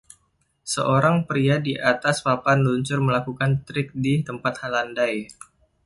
Seorang pria di atas papan luncur melakukan trik di tempat landai.